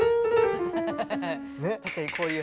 確かにこういう。